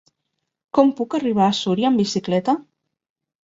Com puc arribar a Súria amb bicicleta?